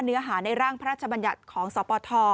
เนื้อหาในร่างพระราชบัญญัติของสปท